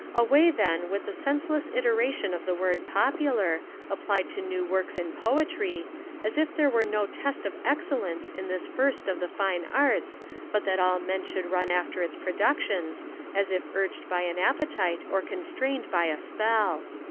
Away, then, with the senseless iteration of the word popular, applied to new works in poetry, as if there were no test of excellence in this first of the fine arts but that all men should run after its productions, as if urged by an appetite, or constrained by a spell!